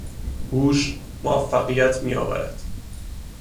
هوش موفقیت میآورد.